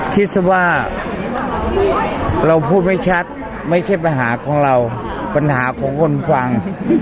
คิดว่าเราพูดไม่ชัดไม่ใช่ปัญหาของเราปัญหาของคนฟัง